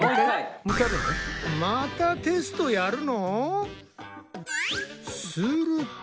またテストやるの？